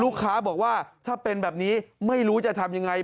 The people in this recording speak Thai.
ลูกค้าบอกว่าถ้าเป็นแบบนี้ไม่รู้จะทำยังไง